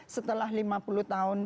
setelah lima puluh tahun